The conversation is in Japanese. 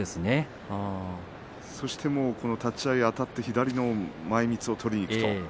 そして立ち合いあたって左の前みつを取りにいくと。